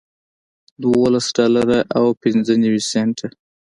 دولس ډالره او پنځه نوي سنټه